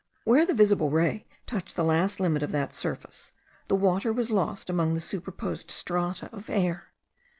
Where the visual ray touched the last limit of that surface, the water was lost among the superposed strata of air.